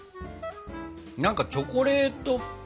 何かチョコレートっぽい。